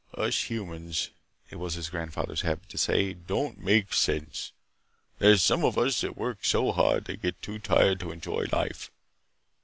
"Us humans," it was his grandfather's habit to say, "don't make sense! There's some of us that work so hard they're too tired to enjoy life.